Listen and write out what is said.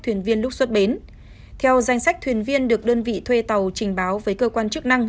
thuyền viên lúc xuất bến theo danh sách thuyền viên được đơn vị thuê tàu trình báo với cơ quan chức năng